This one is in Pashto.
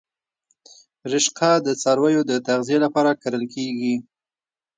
رشقه د څارویو د تغذیې لپاره کرل کیږي